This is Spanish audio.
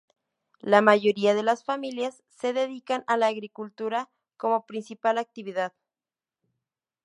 La mayoría de las familias se dedican a la agricultura como principal actividad.